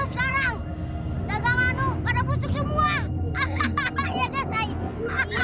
kalau kamu tidak menunggu aku menghentuknya